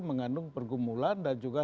mengandung pergumulan dan juga